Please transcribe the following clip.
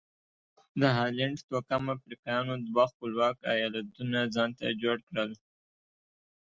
د هالنډ توکمه افریقایانو دوه خپلواک ایالتونه ځانته جوړ کړل.